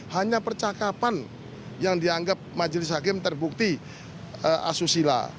hanya percakapan yang dianggap majelis hakim terbukti asusila